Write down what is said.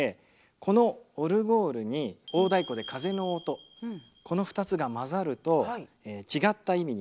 このオルゴールに大太鼓で風の音この２つが混ざると違った意味になります。